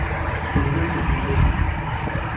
پێم نەگوتن بێن.